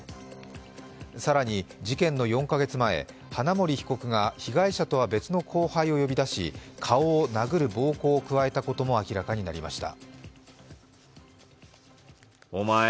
更に事件の４か月前、花森被告が事件とは別の後輩を呼び出し顔を殴る暴行を加えたことも明らかになりました。